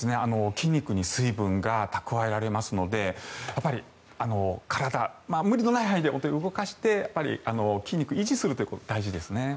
筋肉に水分が蓄えられますので体、無理のない範囲で動かして筋肉を維持することが大事ですね。